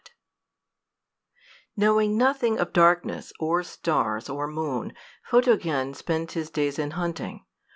"] Knowing nothing of darkness, or stars, or moon, Photogen spent his days in hunting.